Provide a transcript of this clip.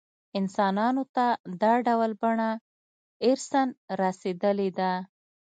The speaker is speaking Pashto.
انسانانو ته دا ډول بڼه ارثاً رسېدلې ده.